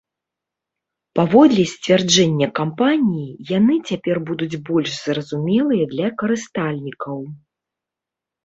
Паводле сцвярджэння кампаніі, яны цяпер будуць больш зразумелыя для карыстальнікаў.